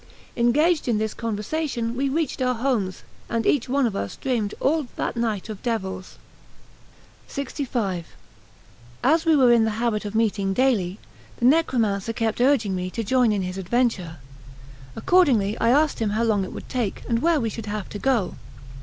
Engaged in this conversation, we reached our homes, and each one of us dreamed all that night of devils. Note 1. 'Fece una istrombazzata di coregge con tanta abundanzia di merda.' LXV AS we were in the habit of meeting daily, the necromancer kept urging me to join in his adventure. Accordingly, I asked him how long it would take, and where we should have to go.